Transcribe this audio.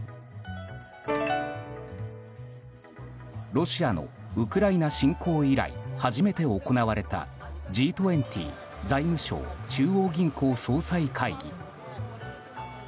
ロシアのウクライナ侵攻以来初めて行われたＧ２０・財務相・中央銀行総裁会議。